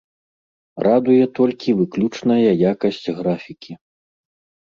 Радуе толькі выключная якасць графікі.